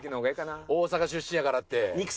大阪出身やからって。